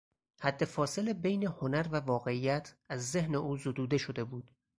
حدفاصل بین هنر و واقعیت از ذهن او زدوده شده بود.